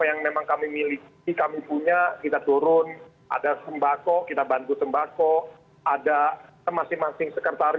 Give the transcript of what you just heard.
ngenas demka pks